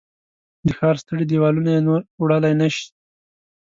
د ښار ستړي دیوالونه یې نور وړلای نه شي